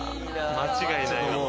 間違いない。